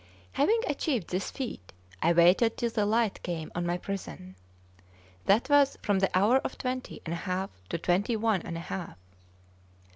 Having achieved this feat, I waited till the light came on my prison; that was from the hour of twenty and a half to twenty one and a half.